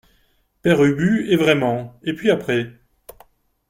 Père Ubu Eh vraiment ! et puis après ?